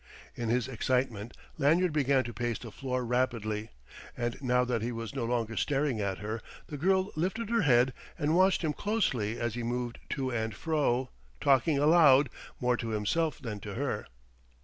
In his excitement Lanyard began to pace the floor rapidly; and now that he was no longer staring at her, the girl lifted her head and watched him closely as he moved to and fro, talking aloud more to himself than to her.